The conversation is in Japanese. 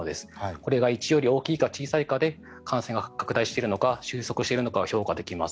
これが１より大きいか小さいかで感染が拡大しているのか収束しているのか評価できます。